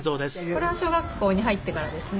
これは小学校に入ってからですね。